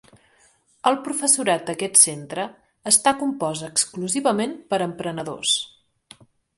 El professorat d'aquest centre està compost exclusivament per emprenedors.